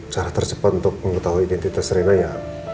cara tercepat untuk mengetahui identitas rena ya